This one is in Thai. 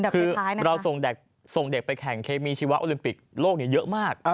คือเราส่งเด็กไปแข่งเคมีชีวะโอลิมปิกโลกเยอะมาก